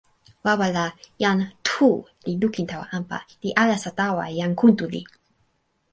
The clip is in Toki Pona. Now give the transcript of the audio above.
wawa la, jan Tu li lukin tawa anpa, li alasa tawa e jan Kuntuli.